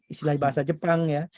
istilahnya bahasa jepang ya